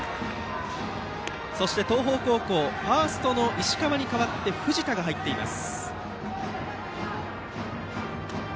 そして東邦高校ファーストの石川に代わって藤田が入っています。